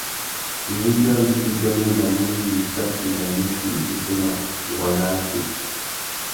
Iwundja rissú i bianéwénamú indi wissaki nà nukí i féssémamú waná waki.